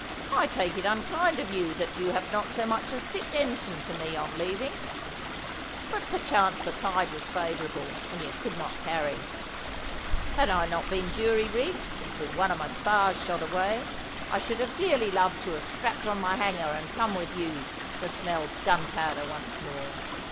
I take it unkind of you that you have not so much as dipped ensign to me on leaving. But perchance the tide was favourable, and you could not tarry. Had I not been jury rigged, with one of my spars shot away, I should have dearly loved to have strapped on my hanger and come with you to smell gunpowder once more.